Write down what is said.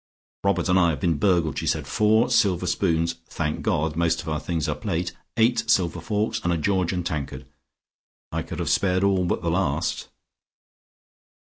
"Robert and I have been burgled," she said. "Four silver spoons thank God, most of our things are plate eight silver forks and a Georgian tankard. I could have spared all but the last."